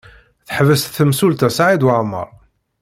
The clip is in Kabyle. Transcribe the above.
Teḥbes temsulta Saɛid Waɛmaṛ.